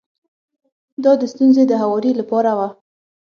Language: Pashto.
دا د ستونزې د هواري لپاره و.